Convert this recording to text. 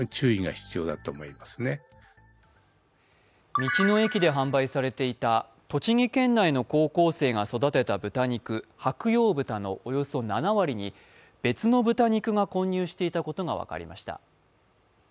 道の駅で販売されていた栃木県内の高校生が育てた豚肉白楊豚のおよそ７割に別の豚肉が混入していたことが分かりました。